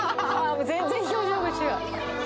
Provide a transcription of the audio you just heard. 「もう全然表情が違う」